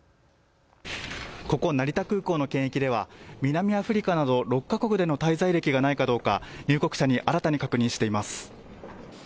ここ成田空港の検疫では南アフリカなど６か国での滞在歴がないかどうか入国者に新たに確認しています。